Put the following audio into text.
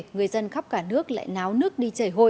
người dân khắp cả nước lại náo nước đi chảy hội